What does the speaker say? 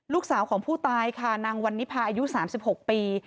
ลูกสาวของผู้ตายค่ะนางวันนิพาอายุ๓๖ปี